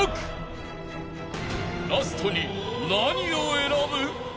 ［ラストに何を選ぶ？］